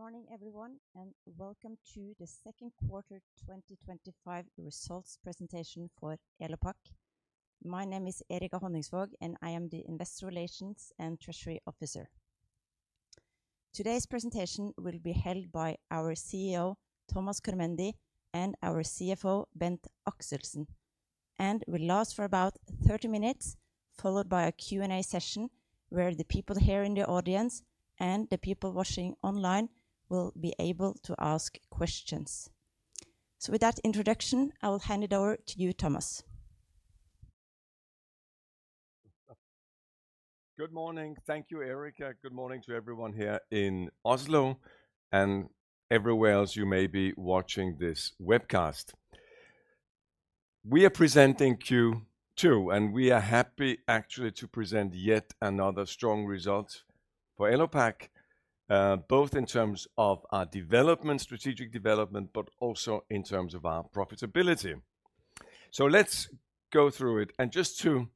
Good morning, everyone, and welcome to the Second Quarter 2025 Results Presentation for Elopak. My name is Erica Honningsvåg, and I am the Investor Relations and Treasury Officer. Today's presentation will be held by our CEO, Thomas Körmendi, and our CFO, Bent Axelsen, and will last for about 30 minutes, followed by a Q&A session where the people here in the audience and the people watching online will be able to ask questions. Without introduction, I will hand it over to you, Thomas. Good morning. Thank you, Erica. Good morning to everyone here in Oslo and everywhere else you may be watching this webcast. We are presenting Q2, and we are happy actually to present yet another strong result for Elopak, both in terms of our development, strategic development, but also in terms of our profitability. Let's go through it. Just to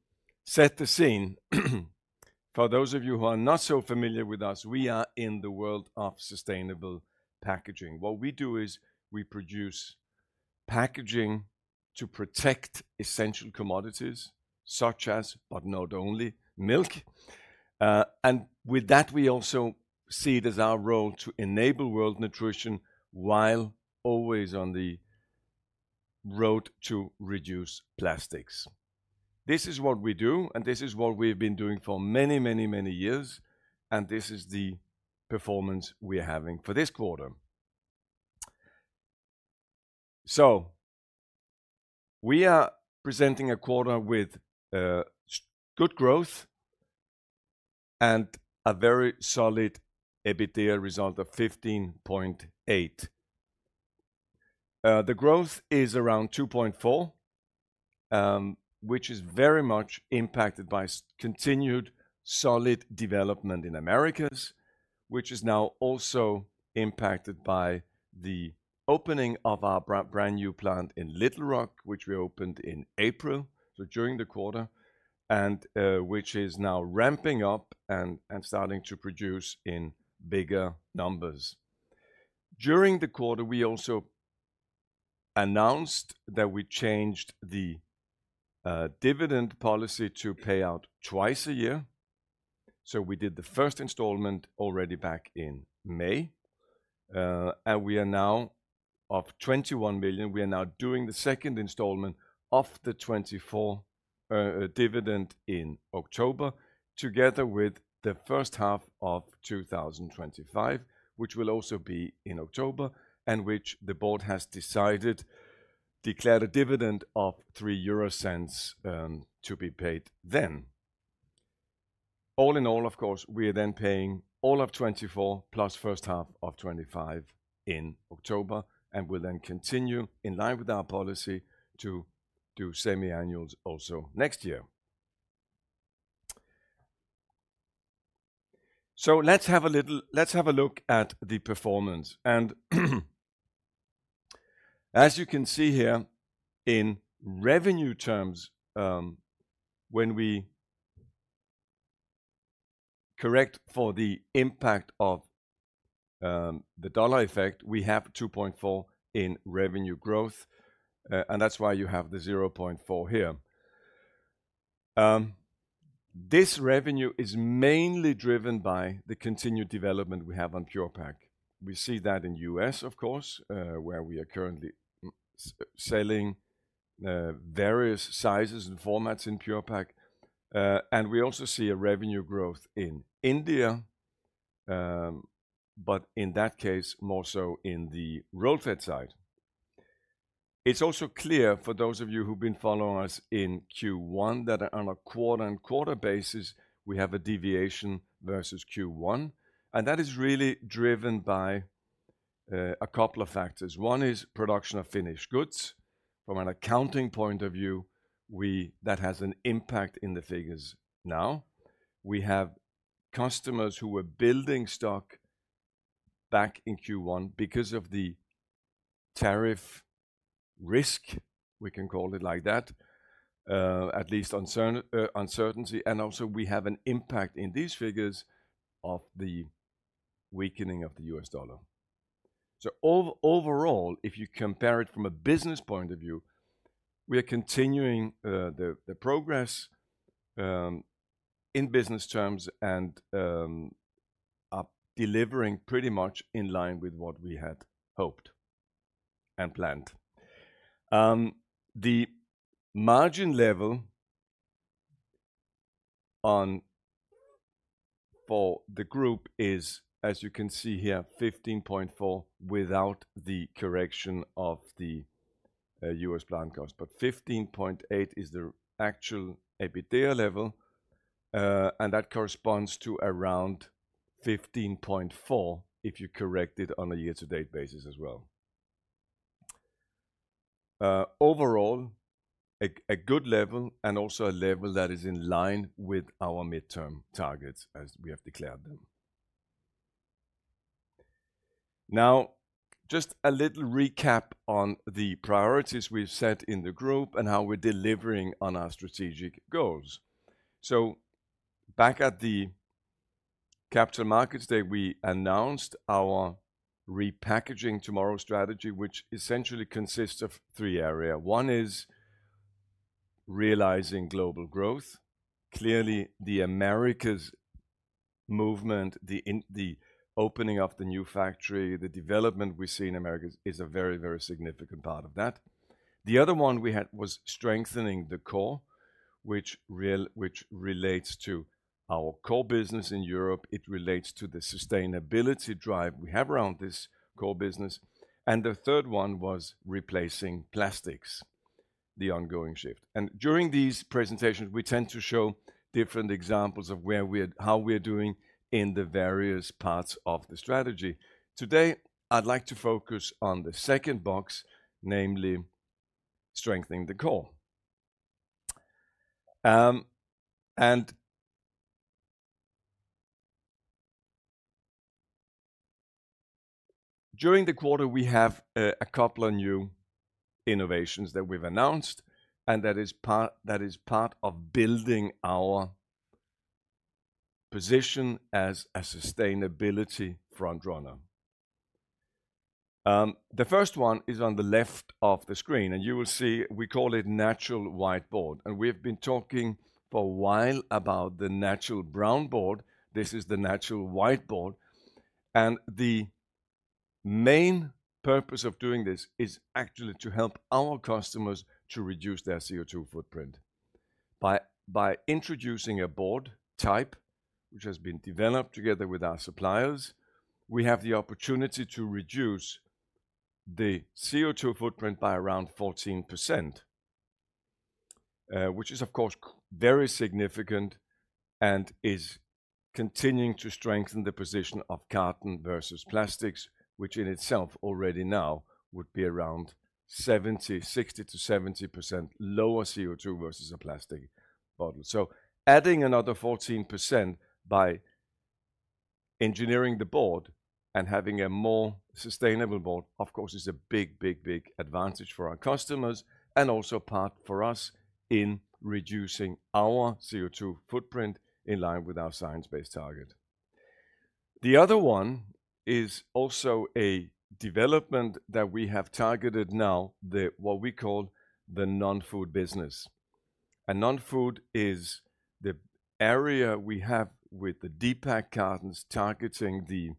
set the scene, for those of you who are not so familiar with us, we are in the world of sustainable packaging. What we do is we produce packaging to protect essential commodities such as, but not only, milk. With that, we also see it as our role to enable world nutrition while always on the road to reduce plastics. This is what we do, and this is what we've been doing for many, many, many years, and this is the performance we're having for this quarter. We are presenting a quarter with good growth and a very solid EBITDA result of 15.8 million. The growth is around 2.4%, which is very much impacted by continued solid development in the Americas, which is now also impacted by the opening of our brand new plant in Little Rock, which we opened in April, during the quarter, and which is now ramping up and starting to produce in bigger numbers. During the quarter, we also announced that we changed the dividend policy to pay out twice a year. We did the first installment already back in May, and we are now up 21 million. We are now doing the second installment of the 2024 dividend in October, together with the first half of 2025, which will also be in October, and which the board has decided to declare a dividend of 0.03 to be paid then. All in all, we are then paying all of 2024 plus first half of 2025 in October, and we'll then continue in line with our policy to do semi-annuals also next year. Let's have a look at the performance. As you can see here in revenue terms, when we correct for the impact of the dollar effect, we have 2.4% in revenue growth, and that's why you have the 0.4% here. This revenue is mainly driven by the continued development we have on Pure-Pak. We see that in the U.S., where we are currently selling various sizes and formats in Pure-Pak. We also see a revenue growth in India, but in that case, more so in the road side side. It's also clear for those of you who've been following us in Q1 that on a quarter-on-quarter basis, we have a deviation versus Q1. That is really driven by a couple of factors. One is production of finished goods. From an accounting point of view, that has an impact in the figures now. We have customers who were building stock back in Q1 because of the tariff risk, we can call it like that, at least on uncertainty. Also, we have an impact in these figures of the weakening of the U.S. dollar. Overall, if you compare it from a business point of view, we are continuing the progress in business terms and are delivering pretty much in line with what we had hoped and planned. The margin level for the group is, as you can see here, 15.4% without the correction of the U.S. plant cost. 15.8% is the actual EBITDA level, and that corresponds to around 15.4% if you correct it on a year-to-date basis as well. Overall, a good level and also a level that is in line with our midterm targets as we have declared them. Now, just a little recap on the priorities we've set in the group and how we're delivering on our strategic goals. Back at the Capital Markets Day, we announced our repackaging tomorrow strategy, which essentially consists of three areas. One is realizing global growth. Clearly, the Americas movement, the opening up the new factory, the development we see in Americas is a very, very significant part of that. The other one we had was strengthening the core, which relates to our core business in Europe. It relates to the sustainability drive we have around this core business. The third one was replacing plastics, the ongoing shift. During these presentations, we tend to show different examples of how we're doing in the various parts of the strategy. Today, I'd like to focus on the second box, namely strengthening the core. During the quarter, we have a couple of new innovations that we've announced, and that is part of building our position as a sustainability front-runner. The first one is on the left of the screen, and you will see we call it natural whiteboard. We've been talking for a while about the natural brownboard. This is the natural whiteboard. The main purpose of doing this is actually to help our customers to reduce their CO2 footprint. By introducing a board type which has been developed together with our suppliers, we have the opportunity to reduce the CO2 footprint by around 14%, which is, of course, very significant and is continuing to strengthen the position of carton versus plastics, which in itself already now would be around 60%-70% lower CO2 versus a plastic bottle. Adding another 14% by engineering the board and having a more sustainable board, of course, is a big, big, big advantage for our customers and also part for us in reducing our CO2 footprint in line with our science-based target. The other one is also a development that we have targeted now, what we call the non-food business. Non-food is the area we have with the D-PAK cartons targeting the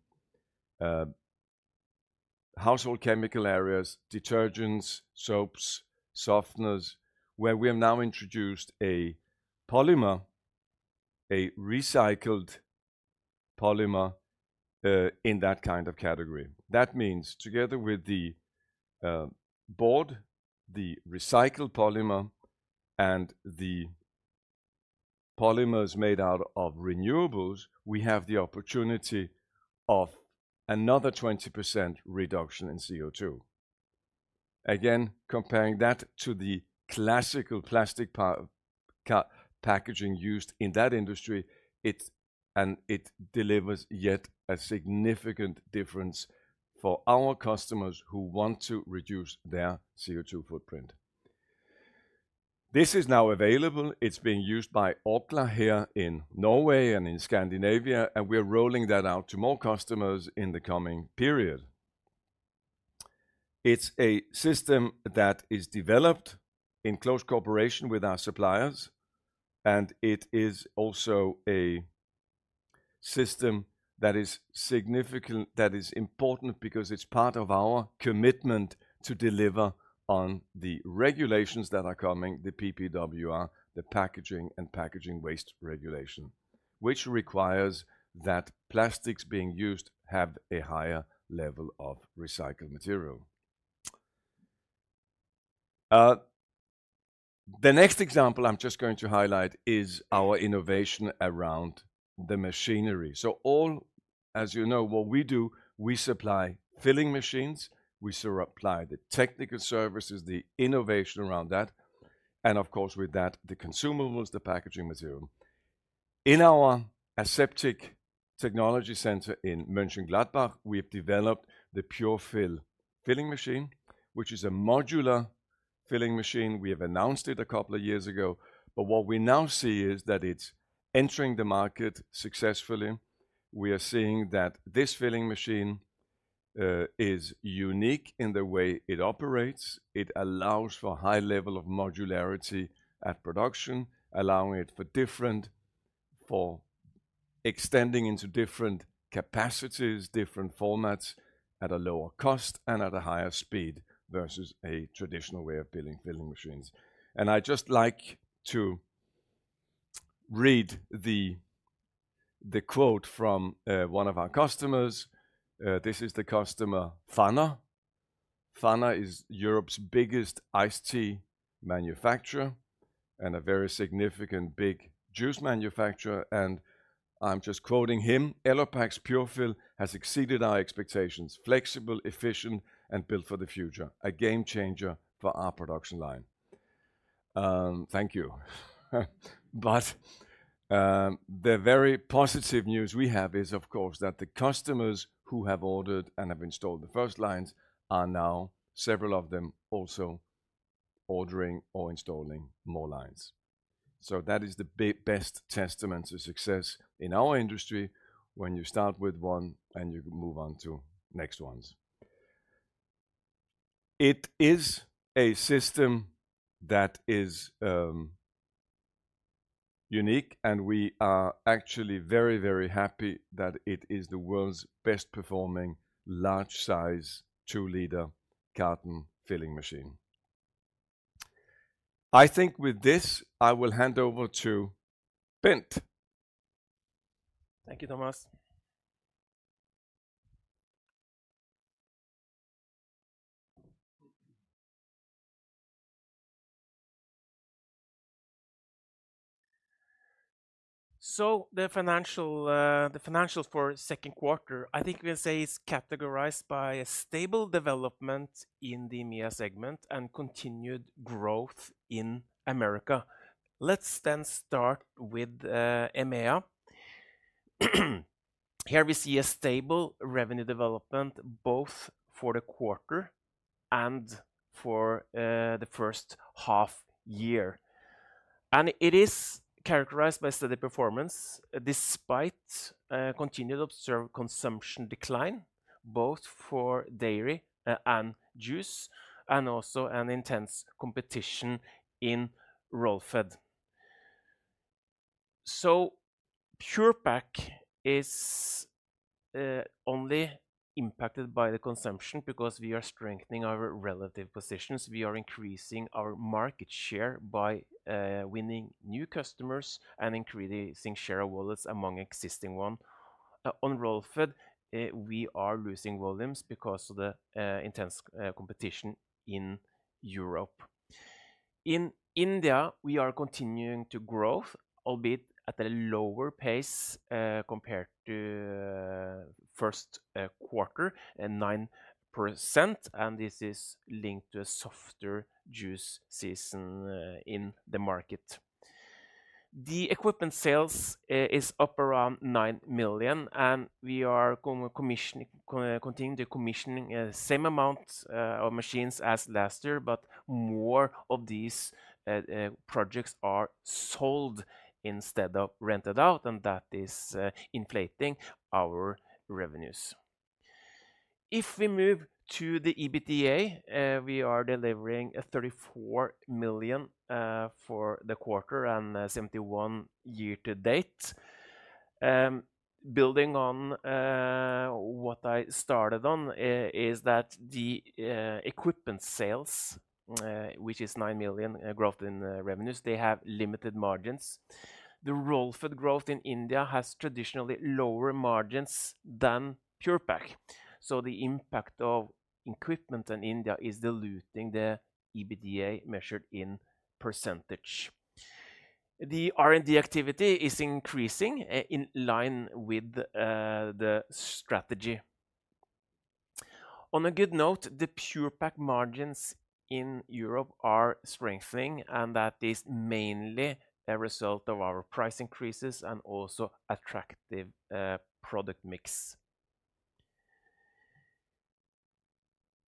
household chemical areas, detergents, soaps, softeners, where we have now introduced a recycled polymer in that kind of category. That means together with the board, the recycled polymer, and the polymers made out of renewables, we have the opportunity of another 20% reduction in CO2. Again, comparing that to the classical plastic packaging used in that industry, it delivers yet a significant difference for our customers who want to reduce their CO2 footprint. This is now available. It's being used by Opla here in Norway and in Scandinavia, and we're rolling that out to more customers in the coming period. It's a system that is developed in close cooperation with our suppliers, and it is also a system that is significant, that is important because it's part of our commitment to deliver on the regulations that are coming, the PPWR, the Packaging and Packaging Waste Regulation, which requires that plastics being used have a higher level of recycled material. The next example I'm just going to highlight is our innovation around the machinery. As you know, what we do, we supply filling machines, we supply the technical services, the innovation around that, and of course, with that, the consumables, the packaging material. In our aseptic technology center in Mönchengladbach, we have developed the Pure-Fill modular filling machine. We have announced it a couple of years ago, but what we now see is that it's entering the market successfully. We are seeing that this filling machine is unique in the way it operates. It allows for a high level of modularity at production, allowing it for extending into different capacities, different formats at a lower cost and at a higher speed versus a traditional way of filling machines. I'd just like to read the quote from one of our customers. This is the customer, Pfanner. Pfanner is Europe's biggest iced tea manufacturer and a very significant big juice manufacturer. I'm just quoting him: "Elopak's Pure-Fill has exceeded our expectations, flexible, efficient, and built for the future." A game changer for our production line. Thank you. The very positive news we have is, of course, that the customers who have ordered and have installed the first lines are now, several of them, also ordering or installing more lines. That is the best testament to success in our industry when you start with one and you move on to next ones. It is a system that is unique, and we are actually very, very happy that it is the world's best-performing large-size 2 L carton filling machine. I think with this, I will hand over to Bent. Thank you, Thomas. The financials for the second quarter, I think we can say it's categorized by a stable development in the MEA segment and continued growth in Americas. Let's then start with MEA. Here we see a stable revenue development both for the quarter and for the first half year. It is characterized by steady performance despite continued consumption decline, both for dairy and juice, and also intense competition in roll fed. Pure-Pak is only impacted by the consumption because we are strengthening our relative positions. We are increasing our market share by winning new customers and increasing share of wallet among existing ones. On roll fed, we are losing volumes because of the intense competition in Europe. In India, we are continuing to grow, albeit at a lower pace compared to the first quarter, at 9%. This is linked to a softer juice season in the market. The equipment sales are up around 9 million, and we are continuing to commission the same amount of machines as last year, but more of these projects are sold instead of rented out, and that is inflating our revenues. If we move to the EBITDA, we are delivering 34 million for the quarter and 71 million year to date. Building on what I started on is that the equipment sales, which is 9 million growth in revenues, have limited margins. The roll fed growth in India has traditionally lower margins than Pure-Pak. The impact of equipment in India is diluting the EBITDA measured in percentage. The R&D activity is increasing in line with the strategy. On a good note, the Pure-Pak margins in Europe are strengthening, and that is mainly a result of our price increases and also attractive product mix.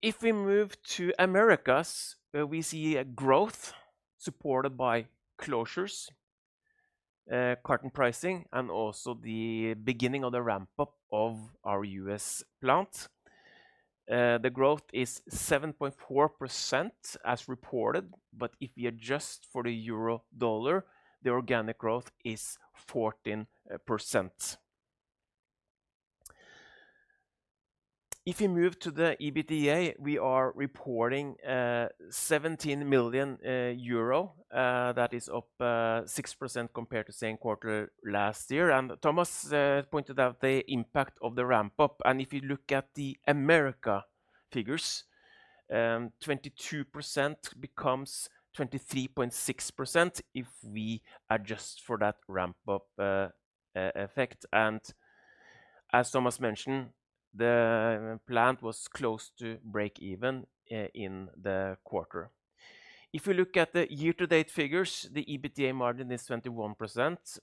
If we move to Americas, we see growth supported by closures, carton pricing, and also the beginning of the ramp-up of our U.S. plant. The growth is 7.4% as reported, but if we adjust for the euro-dollar, the organic growth is 14%. If you move to the EBITDA, we are reporting 17 million euro. That is up 6% compared to the same quarter last year. Thomas pointed out the impact of the ramp-up. If you look at the Americas figures, 22% becomes 23.6% if we adjust for that ramp-up effect. As Thomas mentioned, the plant was close to break even in the quarter. If we look at the year-to-date figures, the EBITDA margin is 21%.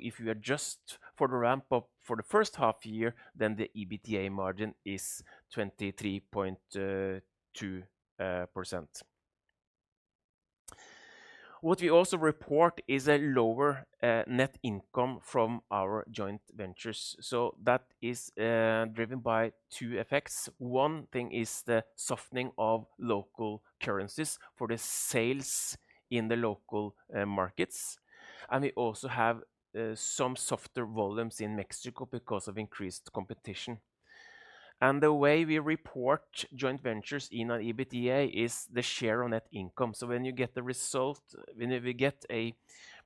If you adjust for the ramp-up for the first half year, then the EBITDA margin is 23.2%. We also report a lower net income from our joint ventures. That is driven by two effects. One thing is the softening of local currencies for the sales in the local markets. We also have some softer volumes in Mexico because of increased competition. The way we report joint ventures in our EBITDA is the share of net income. When you get the result, when we get a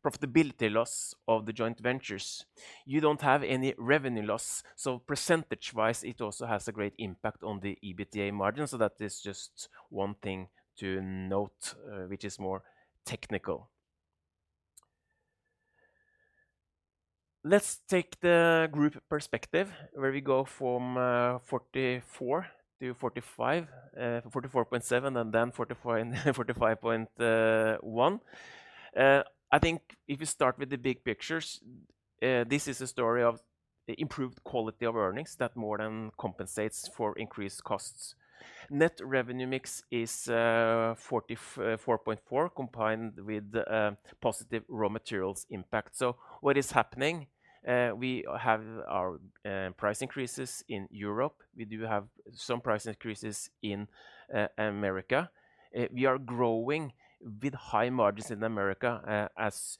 profitability loss of the joint ventures, you don't have any revenue loss. Percentage-wise, it also has a great impact on the EBITDA margin. That is just one thing to note, which is more technical. Let's take the group perspective where we go from 44% to 45%, 44.7%, and then 45.1%. If we start with the big pictures, this is a story of improved quality of earnings that more than compensates for increased costs. Net revenue mix is 44.4%, combined with positive raw materials impact. What is happening? We have our price increases in Europe. We do have some price increases in the Americas. We are growing with high margins in the Americas, as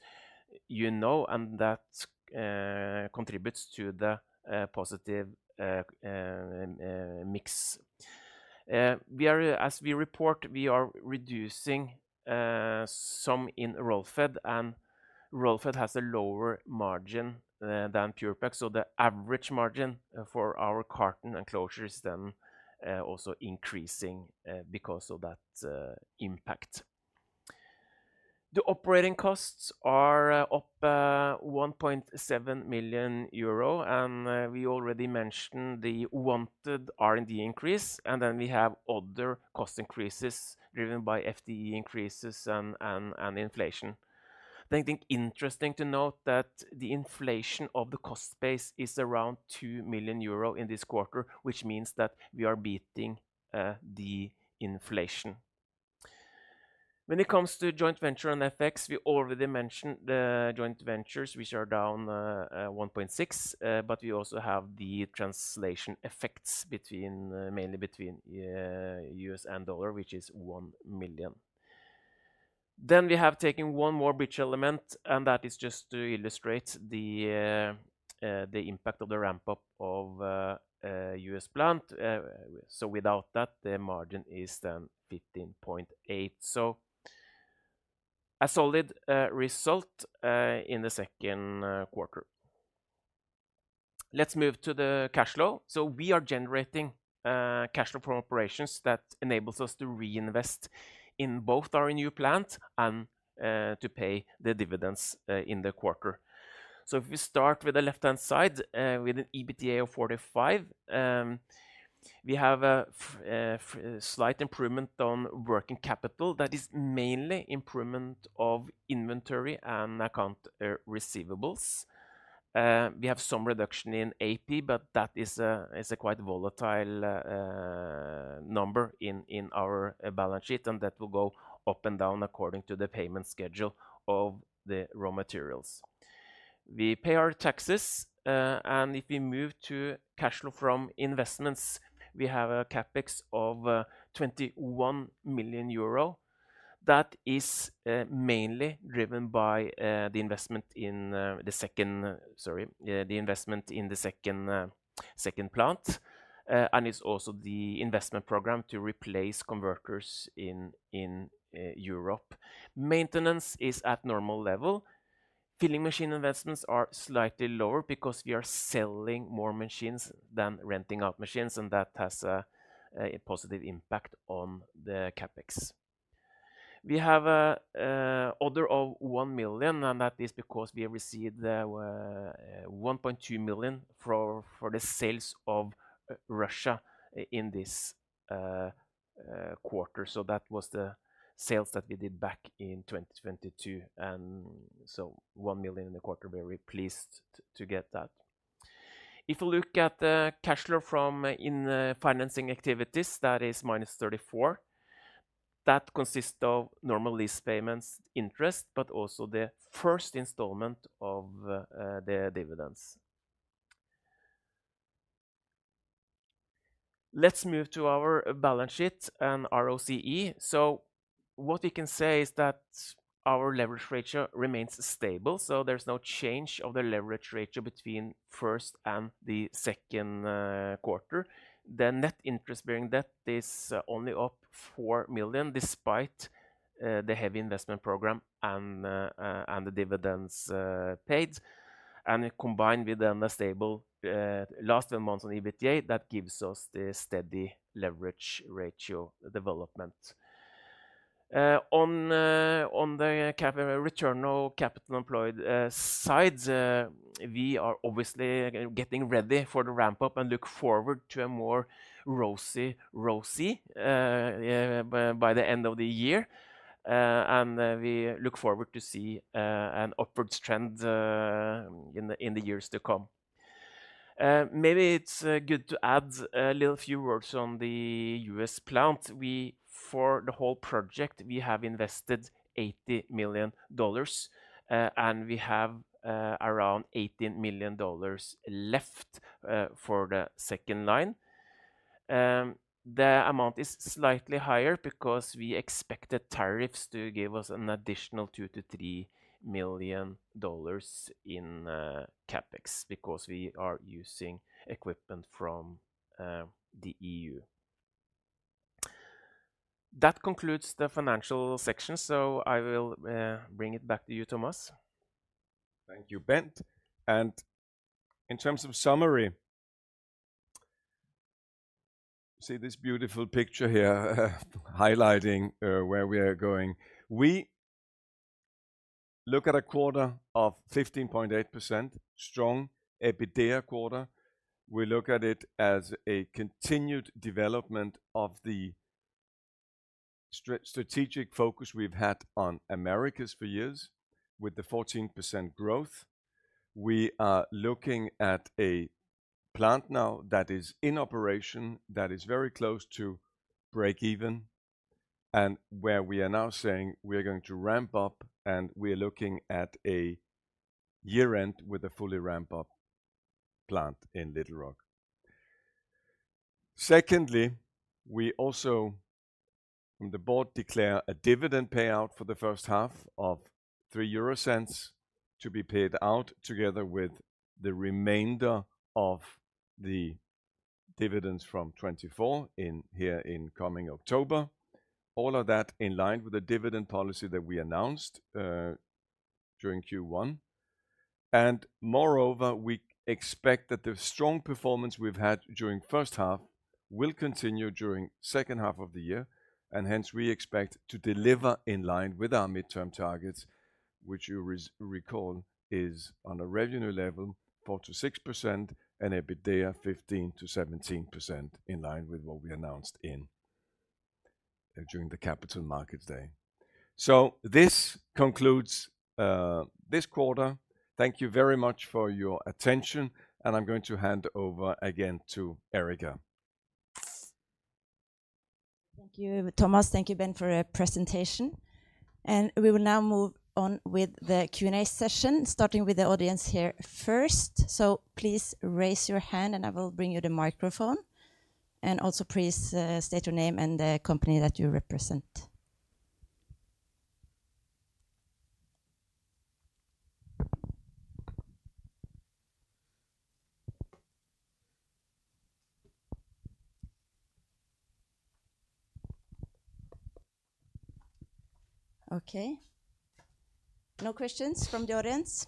you know, and that contributes to the positive mix. As we report, we are reducing some in roll fed, and roll fed has a lower margin than Pure-Pak. The average margin for our carton and closure is then also increasing because of that impact. The operating costs are up 1.7 million euro, and we already mentioned the wanted R&D increase, and we have other cost increases driven by FDE increases and inflation. It's interesting to note that the inflation of the cost base is around 2 million euro in this quarter, which means that we are beating the inflation. When it comes to joint venture and FX, we already mentioned the joint ventures, which are down 1.6 million, but we also have the translation effects mainly between U.S. and dollar, which is 1 million. We have taken one more bridge element, and that is just to illustrate the impact of the ramp-up of the U.S. plant. Without that, the margin is then 15.8%. A solid result in the second quarter. Let's move to the cash flow. We are generating cash flow from operations that enables us to reinvest in both our new plant and to pay the dividends in the quarter. If we start with the left-hand side, with an EBITDA of 45%, we have a slight improvement on working capital. That is mainly an improvement of inventory and account receivables. We have some reduction in AP, but that is a quite volatile number in our balance sheet, and that will go up and down according to the payment schedule of the raw materials. We pay our taxes, and if we move to cash flow from investments, we have a CapEx of 21 million euro. That is mainly driven by the investment in the second plant and is also the investment program to replace converters in Europe. Maintenance is at a normal level. Filling machine investments are slightly lower because we are selling more machines than renting out machines, and that has a positive impact on the CapEx. We have an order of 1 million, and that is because we have received 1.2 million for the sales of Russia in this quarter. That was the sales that we did back in 2022. 1 million in the quarter, we're very pleased to get that. If you look at the cash flow from financing activities, that is -34 million. That consists of normal lease payments, interest, but also the first installment of the dividends. Let's move to our balance sheet and ROCE. What we can say is that our leverage ratio remains stable. There is no change of the leverage ratio between the first and the second quarter. The net interest-bearing debt is only up 4 million despite the heavy investment program and the dividends paid. You combine with a stable last 11 months on EBITDA, that gives us the steady leverage ratio development. On the return on capital employed side, we are obviously getting ready for the ramp-up and look forward to a more rosy by the end of the year. We look forward to seeing an upward trend in the years to come. Maybe it's good to add a little few words on the U.S. plant. For the whole project, we have invested $80 million, and we have around $18 million left for the second line. The amount is slightly higher because we expected tariffs to give us an additional $2 million-$3 million in CapEx because we are using equipment from the E.U. That concludes the financial section. I will bring it back to you, Thomas. Thank you, Bent. In terms of summary, you see this beautiful picture here highlighting where we are going. We look at a quarter of 15.8% strong EBITDA quarter. We look at it as a continued development of the strategic focus we've had on Americas for years with the 14% growth. We are looking at a plant now that is in operation that is very close to break even, and we are now saying we are going to ramp up. We are looking at a year-end with a fully ramped-up plant in Little Rock. Secondly, we also, from the board, declare a dividend payout for the first half of 0.03 to be paid out together with the remainder of the dividends from 2024 here in coming October. All of that is in line with the dividend policy that we announced during Q1. Moreover, we expect that the strong performance we've had during the first half will continue during the second half of the year. We expect to deliver in line with our midterm targets, which you recall is on a revenue level 4%-6% and EBITDA 15%-17% in line with what we announced during the Capital Markets Day. This concludes this quarter. Thank you very much for your attention. I'm going to hand over again to Erica. Thank you, Thomas. Thank you, Bent, for your presentation. We will now move on with the Q&A session, starting with the audience here first. Please raise your hand and I will bring you the microphone. Also, please state your name and the company that you represent. No questions from the audience?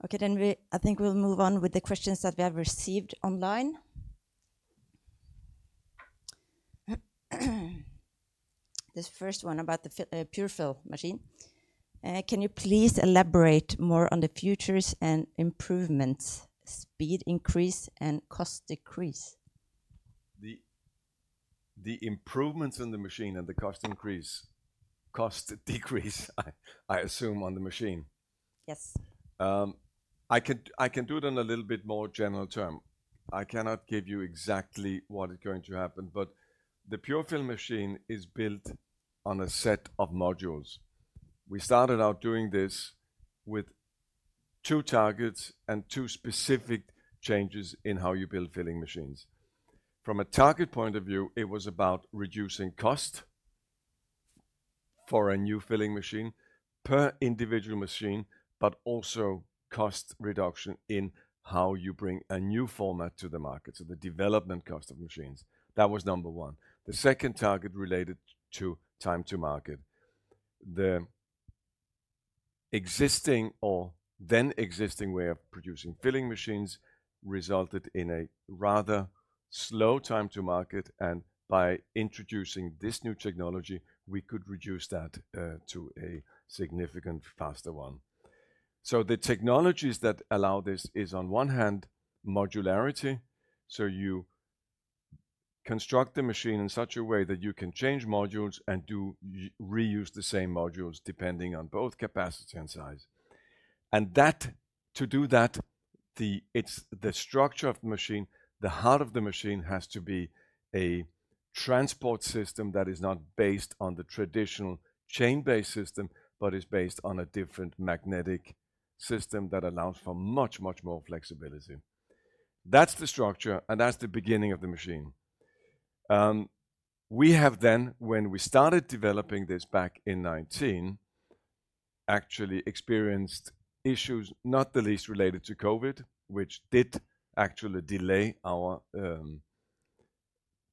I think we'll move on with the questions that we have received online. This first one is about the Pure-Fill machine. Can you please elaborate more on the features and improvements, speed increase, and cost decrease? The improvements on the machine and the cost increase, cost decrease, I assume on the machine. Yes. I can do it in a little bit more general terms. I cannot give you exactly what is going to happen, but the Pure-Fill machine is built on a set of modules. We started out doing this with two targets and two specific changes in how you build filling machines. From a target point of view, it was about reducing cost for a new filling machine per individual machine, but also cost reduction in how you bring a new format to the market. The development cost of machines, that was number one. The second target related to time to market. The existing or then existing way of producing filling machines resulted in a rather slow time to market, and by introducing this new technology, we could reduce that to a significantly faster one. The technologies that allow this is, on one hand, modularity. You construct the machine in such a way that you can change modules and reuse the same modules depending on both capacity and size. To do that, it's the structure of the machine. The heart of the machine has to be a transport system that is not based on the traditional chain-based system, but is based on a different magnetic system that allows for much, much more flexibility. That's the structure, and that's the beginning of the machine. When we started developing this back in 2019, we actually experienced issues, not the least related to COVID, which did actually delay our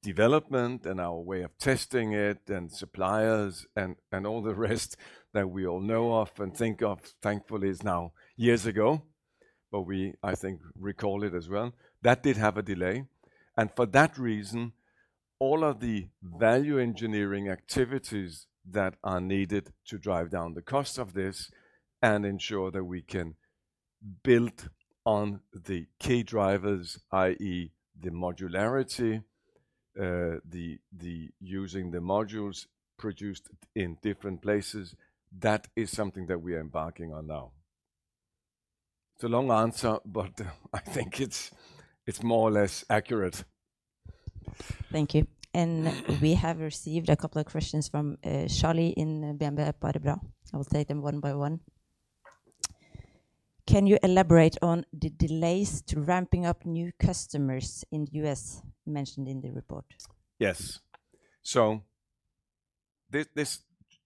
development and our way of testing it and suppliers and all the rest that we all know of and think of. Thankfully, it's now years ago, but we, I think, recall it as well. That did have a delay. For that reason, all of the value engineering activities that are needed to drive down the cost of this and ensure that we can build on the key drivers, i.e., the modularity, the using the modules produced in different places, that is something that we are embarking on now. It's a long answer, but I think it's more or less accurate. Thank you. We have received a couple of questions from Shali in Bamba, Parebra. I will take them one by one. Can you elaborate on the delays to ramping up new customers in the U.S. mentioned in the report? Yes. Just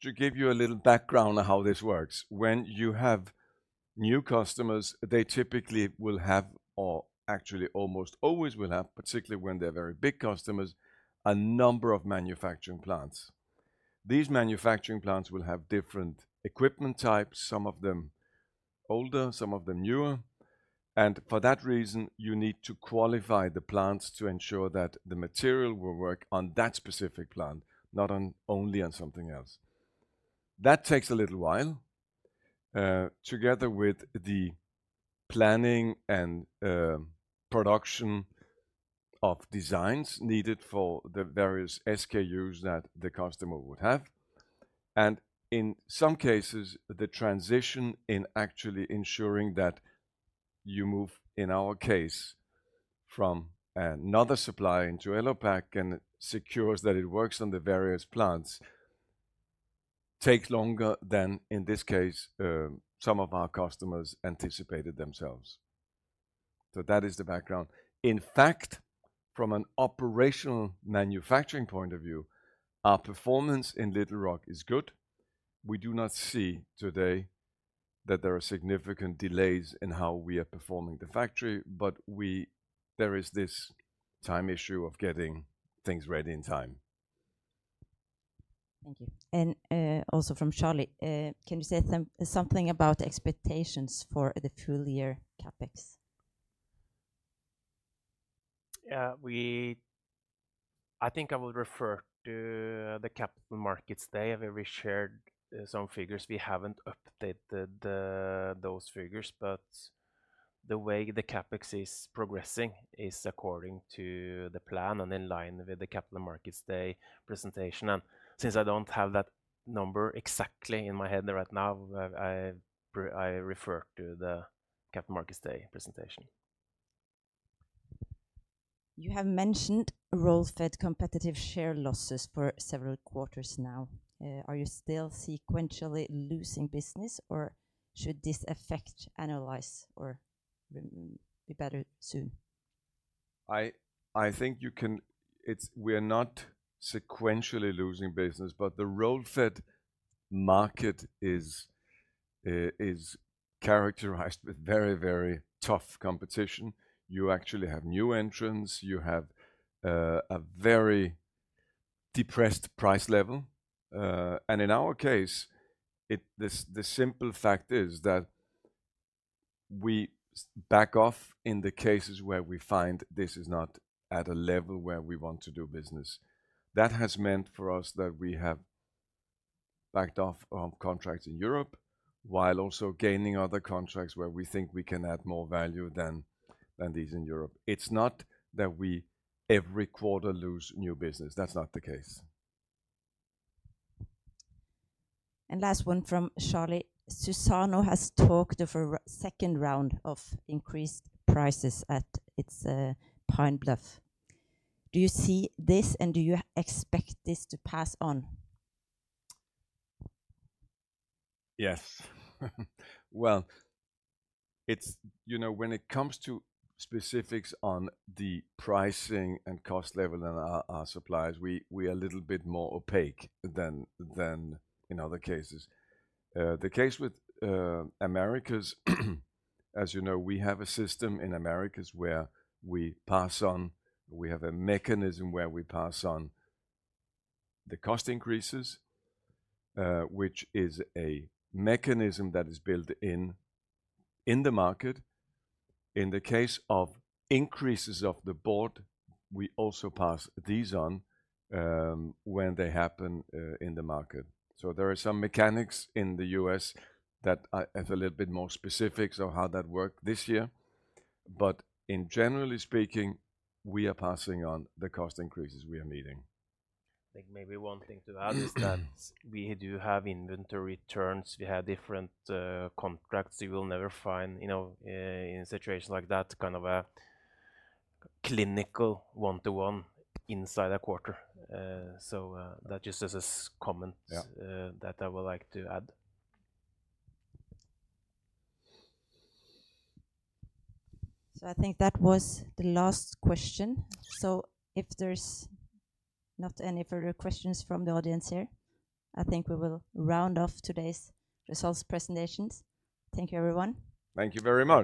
to give you a little background on how this works, when you have new customers, they typically will have, or actually almost always will have, particularly when they're very big customers, a number of manufacturing plants. These manufacturing plants will have different equipment types, some of them older, some of them newer. For that reason, you need to qualify the plants to ensure that the material will work on that specific plant, not only on something else. That takes a little while, together with the planning and production of designs needed for the various SKUs that the customer would have. In some cases, the transition in actually ensuring that you move, in our case, from another supplier into Elopak and secure that it works on the various plants takes longer than, in this case, some of our customers anticipated themselves. That is the background. In fact, from an operational manufacturing point of view, our performance in Little Rock is good. We do not see today that there are significant delays in how we are performing the factory, but there is this time issue of getting things ready in time. Thank you. Also, from Shali, can you say something about expectations for the full-year CapEx? I think I will refer to the Capital Markets Day. I've already shared some figures. We haven't updated those figures, but the way the CapEx is progressing is according to the plan and in line with the Capital Markets Day presentation. Since I don't have that number exactly in my head right now, I refer to the Capital Markets Day presentation. You have mentioned roll fed competitive share losses for several quarters now. Are you still sequentially losing business, or should this effect analyze or be better soon? I think you can. We are not sequentially losing business, but the roll fed market is characterized with very, very tough competition. You actually have new entrants. You have a very depressed price level. In our case, the simple fact is that we back off in the cases where we find this is not at a level where we want to do business. That has meant for us that we have backed off on contracts in Europe while also gaining other contracts where we think we can add more value than these in Europe. It's not that we every quarter lose new business. That's not the case. The last one from Shali. Suzano has talked of a second round of increased prices at its Pine Bluff. Do you see this, and do you expect this to pass on? Yes. You know, when it comes to specifics on the pricing and cost level and our suppliers, we are a little bit more opaque than in other cases. The case with Americas, as you know, we have a system in Americas where we pass on. We have a mechanism where we pass on the cost increases, which is a mechanism that is built in the market. In the case of increases of the board, we also pass these on when they happen in the market. There are some mechanics in the U.S. that are a little bit more specifics of how that works this year. Generally speaking, we are passing on the cost increases we are needing. I think maybe one thing to add is that we do have inventory turns. We have different contracts. You will never find, you know, in a situation like that, kind of a clinical one-to-one inside a quarter. That is just a comment that I would like to add. I think that was the last question. If there's not any further questions from the audience here, I think we will round off today's results presentations. Thank you, everyone. Thank you very much.